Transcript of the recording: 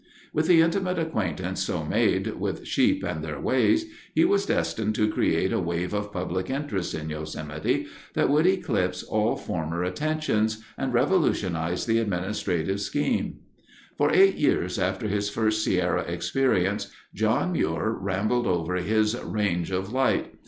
With the intimate acquaintance so made with sheep and their ways, he was destined to create a wave of public interest in Yosemite that would eclipse all former attentions and revolutionize the administrative scheme. For eight years after his first Sierra experience, John Muir rambled over his "Range of Light."